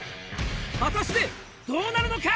果たしてどうなるのか？